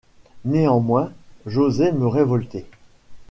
Néanmoins, j’osai me révolter.